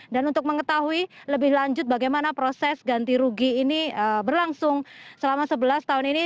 untuk mengetahui lebih lanjut bagaimana proses ganti rugi ini berlangsung selama sebelas tahun ini